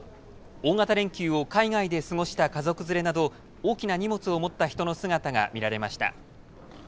大型連休を海外で過ごした家族連れなど大きな荷物を持った人の姿が見られました。